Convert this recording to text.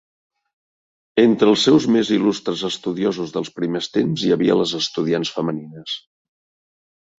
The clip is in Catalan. Entre els seus més il·lustres estudiosos dels primers temps hi havia les estudiants femenines.